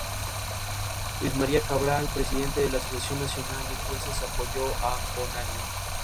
En "Petra", Hartman y Hough, compartieron las tareas del canto.